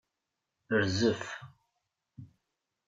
Rzef.